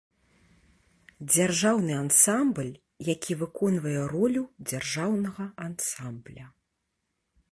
Дзяржаўны ансамбль, які выконвае ролю дзяржаўнага ансамбля.